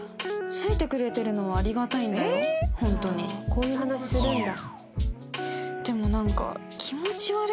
こういう話するんだ。